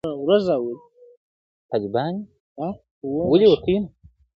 د قلا شنې وني لمبه سوې د جهاد په اور کي!!